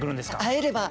会えれば。